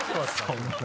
そんな。